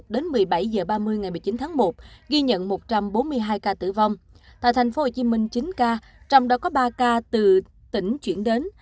đến một mươi bảy h ba mươi ngày một mươi chín tháng một ghi nhận một trăm bốn mươi hai ca tử vong tại tp hcm chín ca trong đó có ba ca từ tỉnh chuyển đến